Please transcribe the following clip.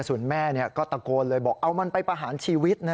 ส่วนแม่ก็ตะโกนเลยบอกเอามันไปประหารชีวิตนะ